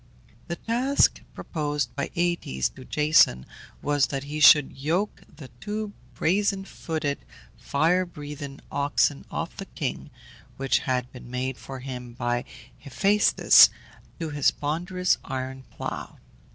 The task proposed by Aëtes to Jason was that he should yoke the two brazen footed, fire breathing oxen of the king (which had been made for him by Hephæstus) to his ponderous iron plough.